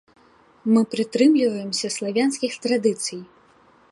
Мы прытрымліваемся славянскіх традыцый.